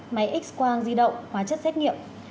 máy x quang di động hóa chất xét nghiệm